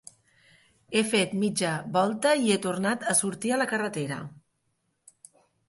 He fet mitja volta i he tornat a sortir a la carretera.